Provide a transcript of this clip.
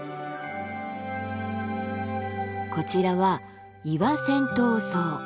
こちらはイワセントウソウ。